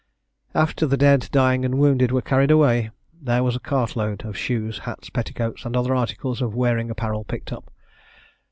After the dead, dying, and wounded, were carried away, there was a cart load of shoes, hats, petticoats, and other articles of wearing apparel, picked up.